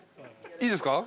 いいですか？